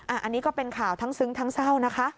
อันนี้ก็เป็นข่าวทั้งซึ้งทั้งเศร้านะคะ